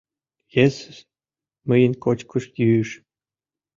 Езус — мыйын кочкыш-йӱыш!»